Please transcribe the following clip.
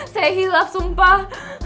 saya hilaf sumpah